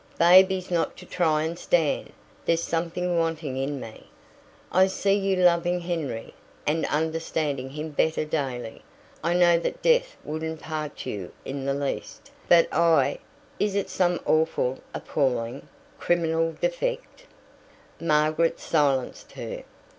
"Baby's not to try and stand. There's something wanting in me. I see you loving Henry, and understanding him better daily, and I know that death wouldn't part you in the least. But I Is it some awful appalling, criminal defect?" Margaret silenced her.